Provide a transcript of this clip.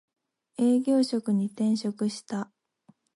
営業職に転職した